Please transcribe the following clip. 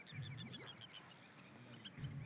Hammadan chaqqon va dono boʻldi